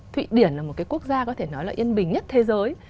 thụy điển là một cái quốc gia có thể nói là yên bình nhất thế giới